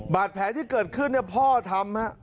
บาดแผลที่เกิดขึ้นเนี่ยพ่อทำฮะ